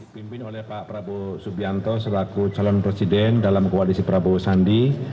pimpin oleh pak prabowo subianto selaku calon presiden dalam koalisi prabowo sandi